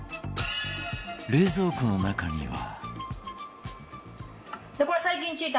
冷蔵庫の中には。